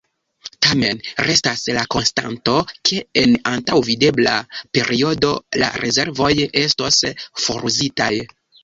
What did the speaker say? Tamen, restas la konstato ke en antaŭvidebla periodo la rezervoj estos foruzitaj.